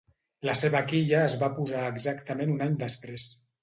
La seva quilla es va posar exactament un any després.